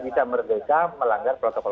bisa merdeka melanggar protokol